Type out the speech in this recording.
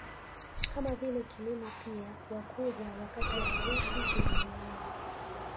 Kama vile kilimo pia Wakurya wakati wa harusi huambiana